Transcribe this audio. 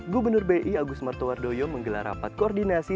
gubernur bi agus martowardoyo menggelar rapat koordinasi